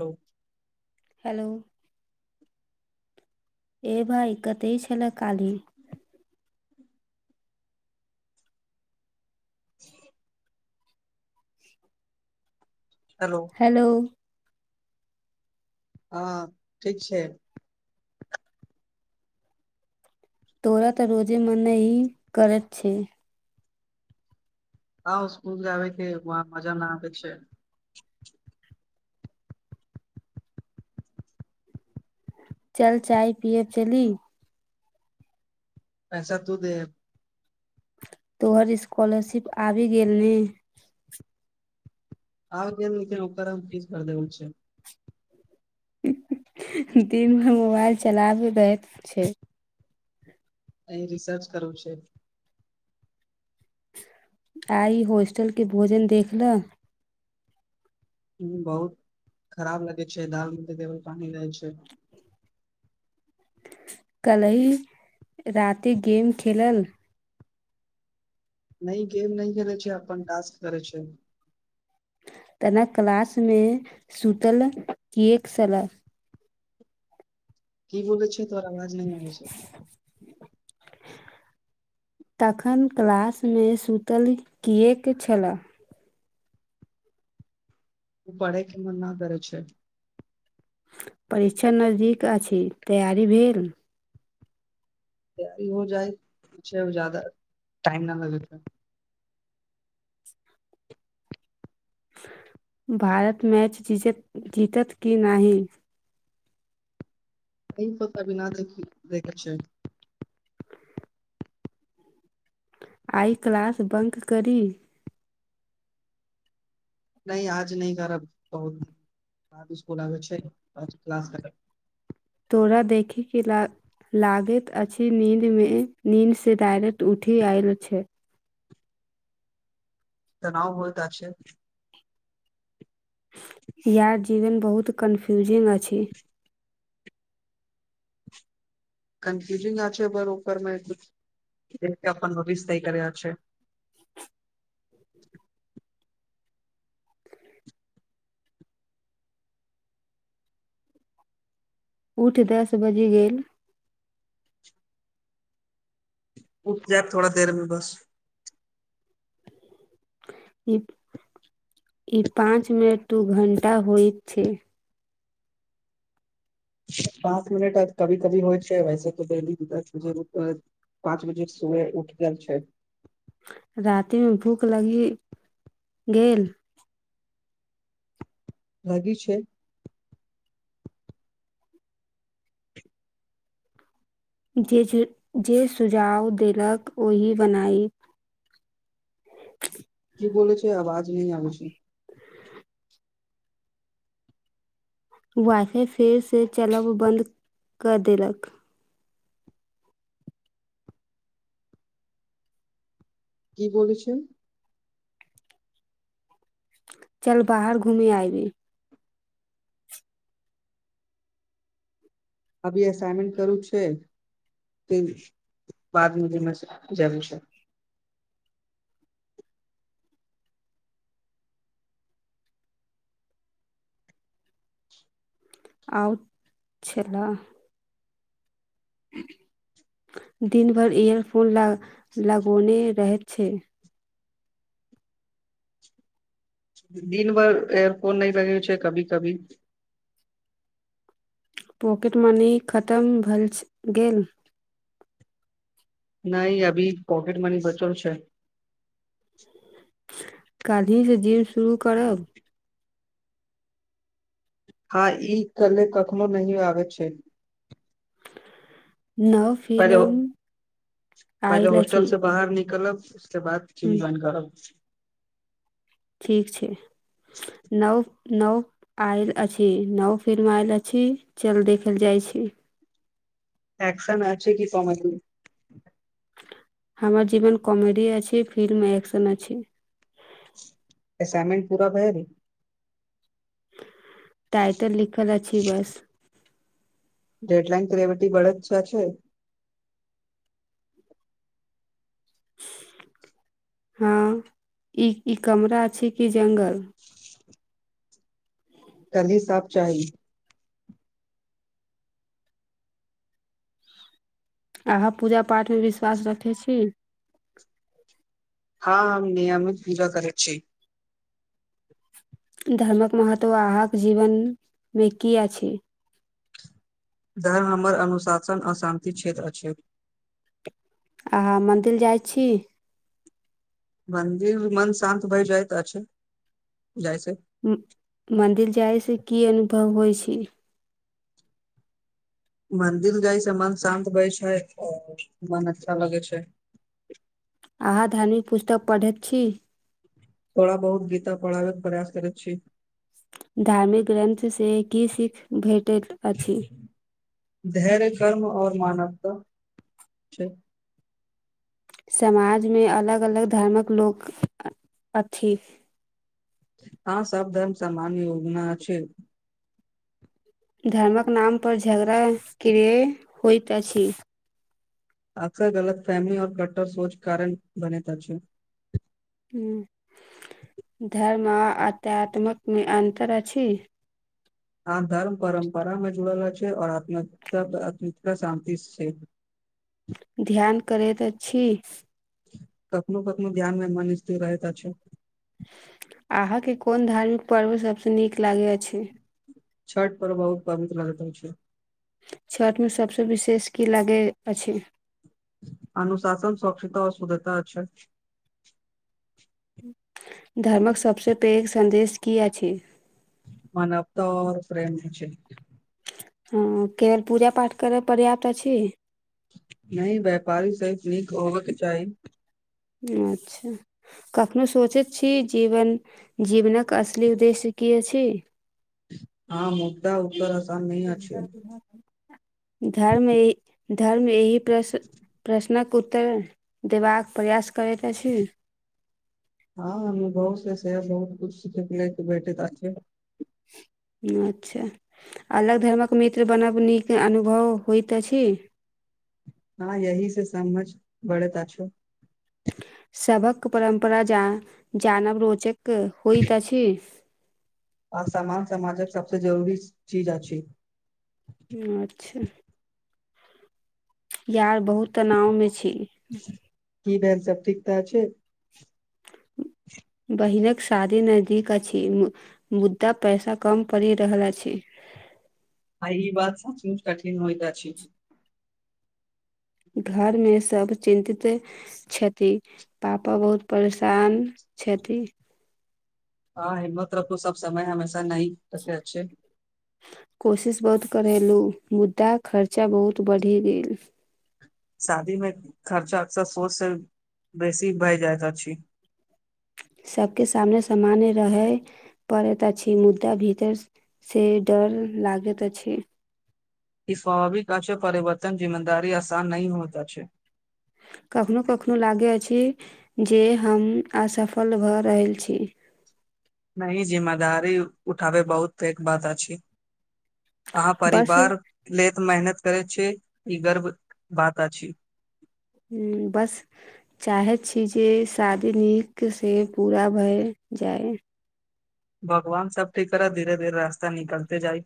hello hello ए भाइ कते छलए काल्हि [unintelligible] हेलो हँ ठीक छै तोरा तऽ रोजे मने ई करैत छै आउ स्कूल जाबेके वाँ मजा न आबे छै चल चाय पियए चली पैसा तू दे तोहर स्कॉलरशिप आबि गेलि आ के निकल ओकरमे कीज कर दे छै दिनमे मोबाइल चलाब दैत छै अही रिसर्च करू छै आइ होस्टलके भोजन देख लऽ बहुत खराब लगै छै दाल मे त केवल पानि रहै छै कल्हि राति गेम खेलल नहि गेम नहि खेलैत छै अपन टास्क करै छै तनक क्लस में सुतल किएक सलाह की बोलै छै तोर आवाज नहि आबै छै तखन क्लासमे सुतल किएक छल ओ पड़े कि मन न करे छै परीक्षा नजदीक अछि तैयारी भेल तैयारी हो जाइ जादा टाइम न लगेत [unintelligible] भारत मैच जीतत जीतत कि नाहि एहि पता भी न देखे छै आइ क्लास बंद करी नहि आज नहि करब बहुत स्कूल आबै छै नहि बस क्लास आबै छै तोरा देखीके ला लागैत अछि नीन्दमे नींन्दसँ डायरेक्ट उठि आयल छै तनाओ बहुलता छै यार जीवन बहुत कनफ्यूजिंग अछि कन्फ्यूजिंग आ छै बर ओकरमे देख अपन भविष्य तय करै छै [unintelligible] [unintelligible] उठ दस बाजि गेल उठ जायब थोड़ा देरमें बस ई ई पाँच मिनट दू घंटा होइत छै पाँच मिनट आ कभी-कभी होइ छै वैसे तऽ डेलीके दस बजे पाँच बजे सुबेर उठ गेल छै रातिमे भूख लगि गेल लागी छै जे-जे-जे सुझाव देलक ओहि बनाइव [unintelligible] की बाजि छै आवाज नहि आबै छै वाईफाई फेरसँ चलब बन्द कऽ देलक की बजै छै चल बाहर घूमी आइ अभी अभी एसाइनमेंट करू छै बादमे जमे जै विषय आउट छलाह [unintelligible] दिन भरि इयरफोन लग लगौने रहैत छै दिनभर एयरफोन नहि लगेने छै कभी-कभी पॉकेट मनी खत्म भए गेल नहि अभी पॉकेट मनी बचल छै काल्हिसँ जिम शुरू करब हँ ई काल्हि कखनो नहि आबै छै नव पहिले फिल्म पहिले आयल अछि होस्टलसे बाहर निकलब उसके बाद जिम हूँ, जोइन करब ठीक छै नौ नव आयल अछि नव फिल्म आयल अछि चल देखैले जाइ अछि एक्शन आओर छै कि कामेडी हमर जीवन कमेडी अछि फिल्म एक्शन अछि असाइनमेंट पूरा भेल टाइटल लिखल अछि बस डेडलाइन क्रेविटी बढै बाला छै [unintelligible] हँ ई ई कमरा छै कि जंगल काल्हि साफ चाही अहाँ पूजा पाठमे विश्वास रखै छी हँ हम नियमित पूजा करैत छी धर्मक महत्व अहाँके जीवनमे की अछि धर्म हमर अनुशासन अशान्ति क्षेत्र अछि अहाँ मन्दिल जाइ छी मन्दिर मे मन शान्त भइ जाइत अछि जाइ से मन्दिर जायसँ की अनुभव होइ छी मन्दिर जाइ छै मन शान्त भै छै मन अच्छा लगै छै [inaudible] अहाँ धार्मिक पुस्तक पढ़ैत छी थोरा बहुत गीता पढ़ाबेके प्रयास करैत छी धार्मिक ग्रन्थसँ की सिख भेटैत अछि धैर्य कर्म ओर तऽ छै समाजमे अलग अलग धर्मक लोक अथि ह सब धर्म सामान योगना अछि धर्मक नामपर झगड़ा किया होइत अछि अक्सर गलतफहमी और कट्टर सोच कारण बनेत अछि धर्म आ आत्यात्मकमे अन्तर अछि आ धर्म परम्परामे जुड़ला अछि और अत्मिकता आत्तमीता तऽ शान्ति छै ध्यान करैत अछि कखनो कखनो ध्यान मे मन स्थिर रहैत अछि अहाँके कोन धार्मिक पर्व सबसँ नीक लागै अछि छठ पर्व बहुत पवित्र लगैत अछि छठिमे सभसँ विशेष की लागै अछि तऽ अच्छा धर्मक सबसे पैघ संन्देश की अछि मानवता और प्रेम होइ छै हँ केवल पूजा पाठ करय पर्याप्त अछि नहि व्यापारी सर्फ नीक होवक चाही अच्छा कखनो सोचैत छी जीवन जीवनक असली उद्देश्य की अछि हँ मोटा ऊपर धर्म ई धर्म एहि प्रश्न प्रश्नक उत्तर देबाक प्रयास करैत अछि हँ अनुभव से से बहुत कछु सखय भेटैत अछि अच्छा अलग धर्मक मित्र बनब नीक अनुभव होइत अछि हँ यह से समझ बढ़ैत अछि सबक परम्पर जान जानब रोचक होइत अछि आसामान्य समाजक सभसँ जरूरी चीज अछि अच्छा यार बहुत तनाव मे छी की भेलन स ठीक ठक छै [inaudible] बहिनक शादी नजदीक अछि मुद्दा पैसा कम पड़ि रहल अछि आइ ई बाद सचमुच कठिन होइत अछि घरमे सब चिन्तित छथि पापा बहुत परेशान छथि हँ हिम्मत रखू सब समय हमेशा नहि तके अच्छे कोशिश बहुत करेलहुँ मुद्दा खर्चा बहुत बढ़ि गेल शादी मे खर्चा अक्सर सोच से बेसी भइ जाइत अछि सबबके सामने सामान्य रहय पड़ैत अछि मुद्दा भीतर से ड त लागेत अछि ई स्वभाविक आ छै परिवर्तन जिम्मेदारी आसान नय होता छै कखनो कखनो लागे अछि जे हम असफल भऽ रहल छी नहि जिम्मेदारी उठाबै बहुत पैघ बात अछि अहाँ बस परिवार ले तऽ मेहनत करै छै ई गर्व बात अछि ह बस चाहैत छी जे शादी नीकसँ पूरा भय जाए भगवान सब ठीक करैत धीरे धीरे रास्ता निकलते जाइ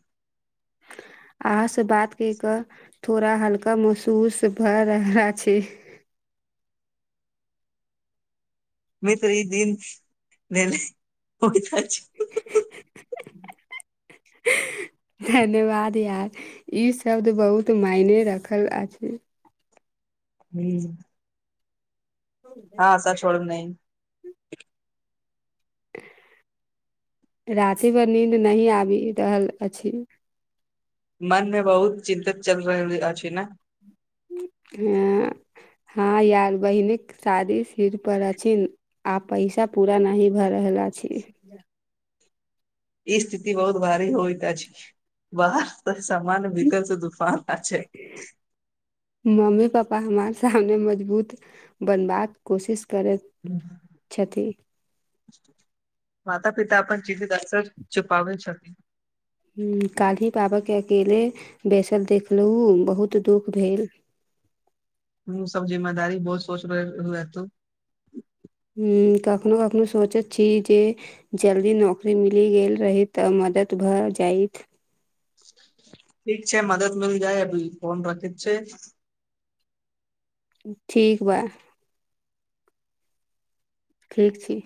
अहाँ से बात कहि कऽ थोड़ा हल्का महसूस भए रहला छै भ त्र ई दिनने [inaudible] धन्यवाद यार ई शब्द बहुत तऽ मायने रखल आ छै हुं हँ आशा छोड़ब नय [inaudible] राँती भर नीन्द नहि आबि रहल अछि मनमे बहुत चिन्तित चलि रहल अछि ने हँ हँ यार बहिनी के शादी सिर पर अछि आ पैसा पूरा नही भए रहल अछि [inaudible] ई स्थिति बहुत भारी होइ त छै ब सामान विकल से दुफना आछै मम्मी पापा हमार सामने मजबूत बनबाक कोशिश करैत छथि माता पिता अपन चीज अकसर छुपाबै छथिन कालही पाबा अकेले बैसल देखलहुँ बहुत दुःख भेल हम सब जिम्मेदारी बहुत सोच समझि लेतौ कखनो कखनो सोचत छी जे जल्दी नौकरी मिली गेल रहित तऽ मदद भऽ भऽ जाइत ठीक छै मदद मिल जाए अभी फोन रखैत छै ठीक बा ठीक छी